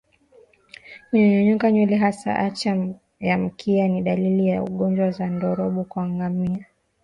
Kunyonyoka nywele hasa ncha ya mkia ni dalili za ugonjwa wa ndorobo kwa ngamia